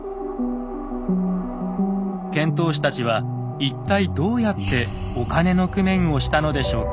遣唐使たちは一体どうやってお金の工面をしたのでしょうか。